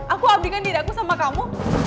aku abdikan diri aku sama kamu